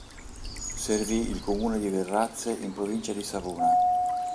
Servì il comune di Varazze in provincia di Savona.